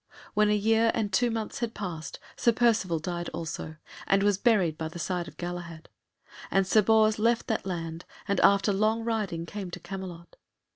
When a year and two months had passed Sir Percivale died also, and was buried by the side of Galahad; and Sir Bors left that land, and after long riding came to Camelot.